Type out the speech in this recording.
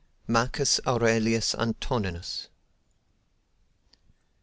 — Marcus Aurelius Antoninus.